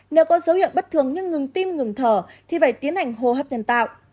nếu có dấu hiệu bất thường nhưng ngừng tim ngừng thở thì phải tiến hành hô hấp nhân tạo